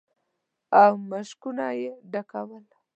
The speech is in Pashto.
او مشکونه يې ډکول.